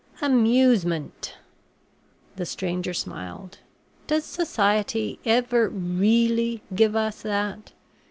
"Amusement!" the stranger smiled. "Does society ever really give us that?